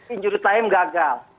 injury time gagal